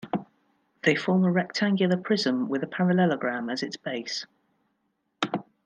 They form a rectangular prism with a parallelogram as its base.